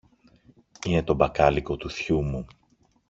είναι το μπακάλικο του θειού μου